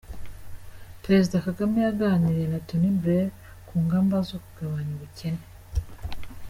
Perezida Kagame yaganiriye na Tony Blair ku ngamba zo kugabanya ubukene